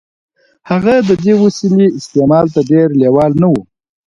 هغه د دې وسیلې استعمال ته ډېر لېوال نه و